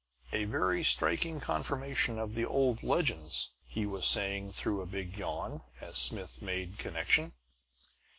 "A very striking confirmation of the old legends," he was saying through a big yawn, as Smith made connection.